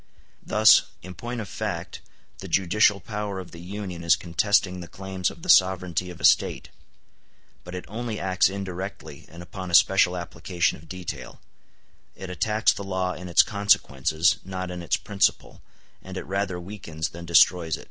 *l Thus, in point of fact, the judicial power of the Union is contesting the claims of the sovereignty of a State; but it only acts indirectly and upon a special application of detail: it attacks the law in its consequences, not in its principle, and it rather weakens than destroys it.